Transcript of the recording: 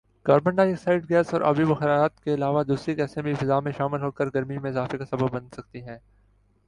carbon dioxide gas اور آبی بخارات کے علاوہ ، دوسری گیسیں بھی فضا میں شامل ہوکر گرمی میں اضافے کا سبب بن سکتی ہیں